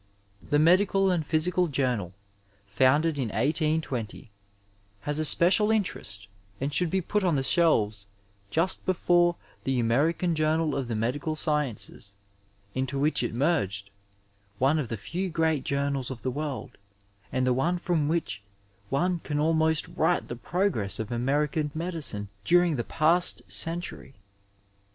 The Medical and Physical Jawmal, founded in 1820, has a special interest and should be put on the shelves just before the American Jcumd of the Medical Sciences, into which it merged, one of the few great journals of the world, and the one from which one can almost write the progress of American medicine during the past century.